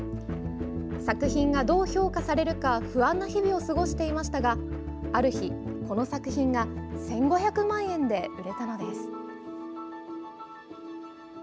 作品がどう評価されるか不安な日々を過ごしていましたがある日、この作品が１５００万円で売れたのです。